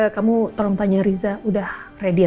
kamu tolong tanya riza udah ready atau tidak